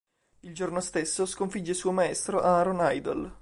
Il giorno stesso, sconfigge il suo maestro Aaron Idol.